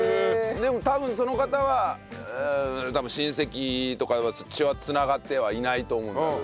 でも多分その方は親戚とか血は繋がってはいないと思うんだけど。